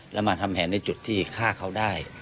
แล้วมาทำแผนในจุดที่ฆ่าเขาได้